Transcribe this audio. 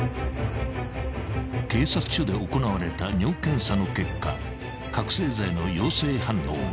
［警察署で行われた尿検査の結果覚醒剤の陽性反応が］